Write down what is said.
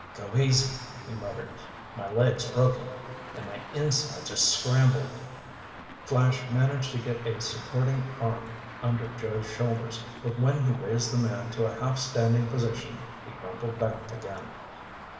"Go easy," he muttered. "My leg's broken. And my insides are scrambled." Flash managed to get a supporting arm under Joe's shoulders, but when he raised the man to a half standing position, he crumpled back again.